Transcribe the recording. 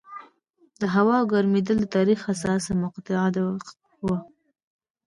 د هوا ګرمېدل د تاریخ حساسه مقطعه وه.